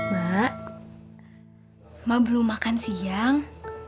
ma ma belum makan siang